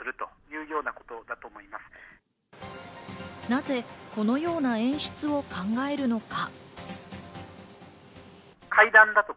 なぜこのような演出を考えるのか。